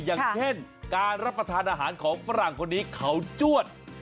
อย่างเช่นการรับประทานอาหารของฝรั่งคนนี้เขาจวด